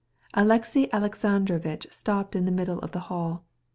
Alexey Alexandrovitch halted in the middle of the room.